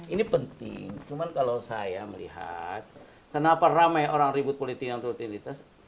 ini penting cuma kalau saya melihat kenapa ramai orang ribut politik yang turut identitas